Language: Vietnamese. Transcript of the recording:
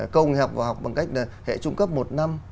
câu nghệ học vào học bằng cách là hệ trung cấp một năm